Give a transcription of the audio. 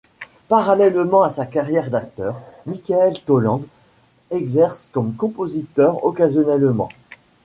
Parallèlement à sa carrière d'acteur, Michael Toland exerce comme compositeur occasionnellement.